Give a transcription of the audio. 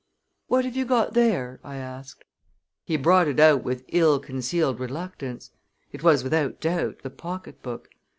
"What have you got there?" I asked. He brought it out with ill concealed reluctance. It was, without doubt, the pocketbook.